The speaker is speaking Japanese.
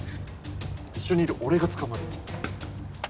一緒にいる俺が捕まる。